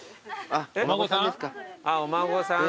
あっお孫さん。